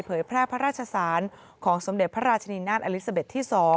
แพร่พระราชสารของสมเด็จพระราชนีนาฏอลิซาเบ็ดที่๒